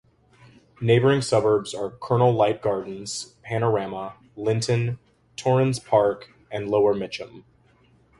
Neighbouring suburbs are Colonel Light Gardens, Panorama, Lynton, Torrens Park and Lower Mitcham.